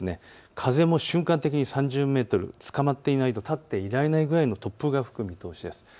風も瞬間的に３０メートル、つかまっていないと立っていられないくらいの突風が吹く見通しです。